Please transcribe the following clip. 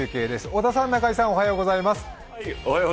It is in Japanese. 織田さん、中井さんおはようございます。